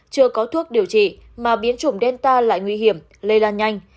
chưa có thuốc điều trị mà biến chủng delta lại nguy hiểm lây lan nhanh